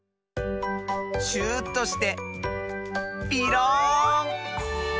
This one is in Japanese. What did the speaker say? シューッとしてピローン！